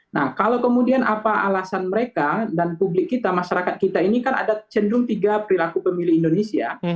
nah kalau kemudian apa alasan mereka dan publik kita masyarakat kita ini kan ada cendung tiga perilaku pemilih indonesia